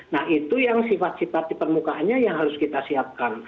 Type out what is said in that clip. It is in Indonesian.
nah itu yang sifat sifat di permukaannya yang harus kita siapkan